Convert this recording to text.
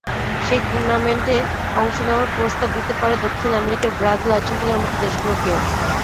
সেই টুর্নামেন্টে অংশ নেওয়ার প্রস্তাব দিতে পারে দক্ষিণ আমেরিকার ব্রাজিল-আর্জেন্টিনার মতো দেশগুলোকেও।